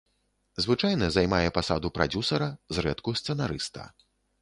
Звычайна займае пасаду прадзюсара, зрэдку сцэнарыста.